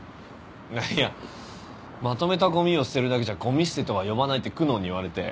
いやまとめたごみを捨てるだけじゃごみ捨てとは呼ばないって久能に言われて。